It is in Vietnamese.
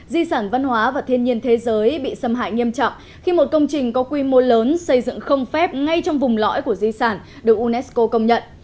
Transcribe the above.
di sản văn hóa và thiên nhiên thế giới bị xâm hại nghiêm trọng khi một công trình có quy mô lớn xây dựng không phép ngay trong vùng lõi của di sản được unesco công nhận